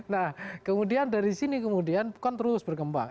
nah kemudian dari sini kemudian kan terus berkembang